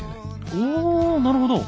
おなるほど！